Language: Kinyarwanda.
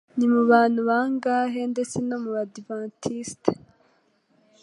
Ni mu bantu bangahe, ndetse no mu Badiventisti